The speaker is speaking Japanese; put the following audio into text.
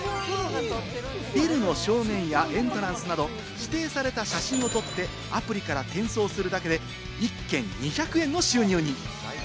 ビルの正面やエントランスなど、指定された写真を撮って、アプリから転送するだけで、一件２００円の収入に。